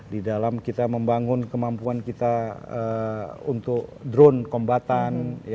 di dalam kita membangun kemampuan kita untuk drone kombatan